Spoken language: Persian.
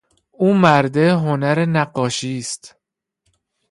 او مرده هنر نقاشی است.